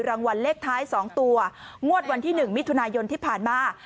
รางวัลเลขท้าย๒ตัวงวดวันที่๑มิถุนายนที่ผ่านมา